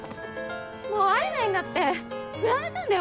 もう会えないんだってフラれたんだよ？